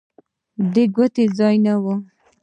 د ګوتې ځای نه و.